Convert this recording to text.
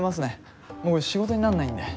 もう仕事になんないんで。